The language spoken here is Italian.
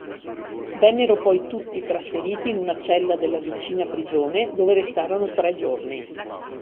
Vennero poi tutti trasferiti in una cella della vicina prigione dove restarono tre giorni.